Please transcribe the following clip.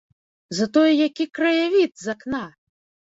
Затое які краявід з акна!